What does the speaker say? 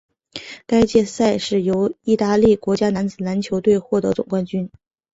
该届赛事由义大利国家男子篮球队获得总冠军。